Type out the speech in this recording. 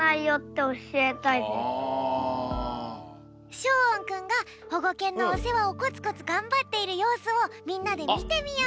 しょうおんくんがほごけんのおせわをコツコツがんばっているようすをみんなでみてみよう。